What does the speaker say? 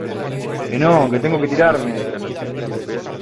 que no, que tengo que tirarme.